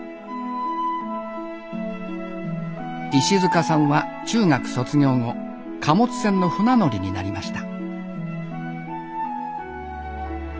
石塚さんは中学卒業後貨物船の船乗りになりました。